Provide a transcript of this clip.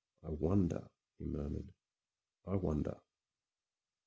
"I wonder," he murmured — "I wonder."